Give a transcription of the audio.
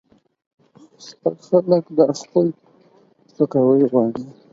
سپک خلک دا خپل سپکاوی غواړي